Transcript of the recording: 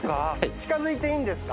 近づいていいんですか？